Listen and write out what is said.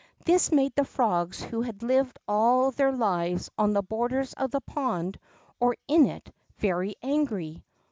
This made the frogs who had lived all their lives on the borders of the pond, or in it, very angry.